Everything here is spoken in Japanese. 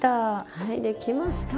はい出来ました！